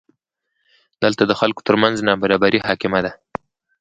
دلته د خلکو ترمنځ نابرابري حاکمه ده.